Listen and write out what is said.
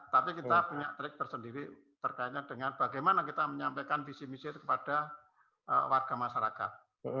tapi kita punya trik tersendiri terkaitnya dengan bagaimana kita menyampaikan visi misi itu kepada warga masyarakat